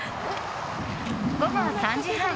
午後３時半。